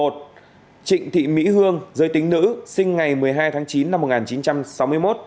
trịnh thị mỹ hương giới tính nữ sinh ngày một mươi hai tháng chín năm một nghìn chín trăm sáu mươi một